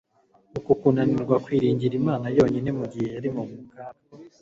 Uku kunanirwa kwiringira Imana yonyine mu gihe yari mu kaga